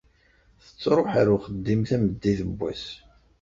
Tettṛuḥ ar uxeddim tameddit n wass.